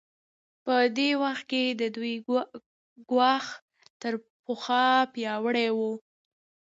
په دې وخت کې د دوی ګواښ تر پخوا پیاوړی و.